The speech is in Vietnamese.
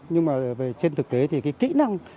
nhưng mà trên thực tế thì cái kỹ năng